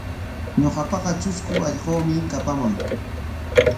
Ñuqapaqa trusku allquumi kapaman.